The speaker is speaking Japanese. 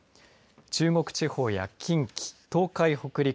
中国地方や近畿、東海、北陸